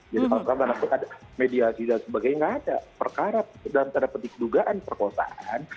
jadi pasangkan media dan sebagainya nggak ada perkara dalam tanda pedik dugaan perkosaan